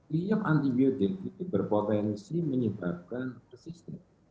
liop antibiotik itu berpotensi menyebabkan resisten